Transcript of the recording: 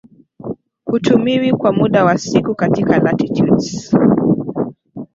hutumiwi kwa muda wa siku katika latitudes